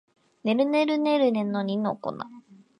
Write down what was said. ねるねるねるねの二の粉